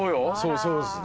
そうですね。